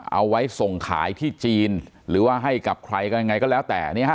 เอาไว้ส่งขายที่จีนหรือว่าให้กับใครกันยังไงก็แล้วแต่เนี่ยฮะ